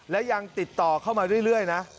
และยังติดต่อเข้ามาเรื่อยนะ